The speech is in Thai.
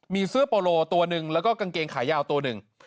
มีเสื้อโปโลตัวหนึ่งแล้วก็กางเกงขายาวตัวหนึ่ง